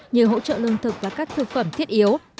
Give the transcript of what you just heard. như hỗ trợ lương thực và các thực phẩm thiết yếu